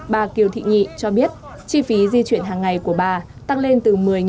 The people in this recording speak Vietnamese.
bà kiều thị nhị cho biết chi phí di chuyển hàng ngày của bà tăng lên từ một mươi đồng